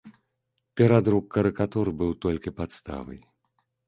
Перадрук карыкатур быў толькі падставай.